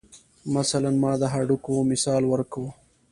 مثلاً ما د هډوکو مثال ورکو.